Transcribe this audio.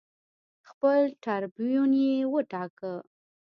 خپل ټربیون یې وټاکه